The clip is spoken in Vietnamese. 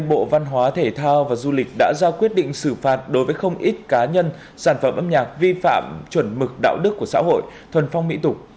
bộ văn hóa thể thao và du lịch đã ra quyết định xử phạt đối với không ít cá nhân sản phẩm âm nhạc vi phạm chuẩn mực đạo đức của xã hội thuần phong mỹ tục